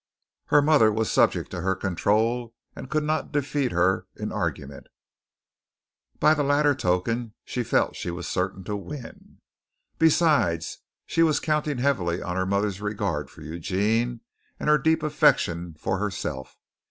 Her mother was subject to her control and could not defeat her in argument. By the latter token she felt she was certain to win. Besides, she was counting heavily on her mother's regard for Eugene and her deep affection for herself.